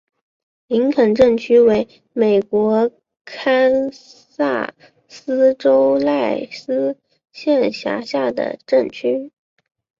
林肯镇区为美国堪萨斯州赖斯县辖下的镇区。